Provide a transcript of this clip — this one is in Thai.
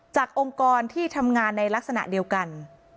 องค์กรที่ทำงานในลักษณะเดียวกัน